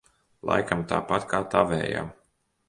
Laikam tāpat kā tavējā?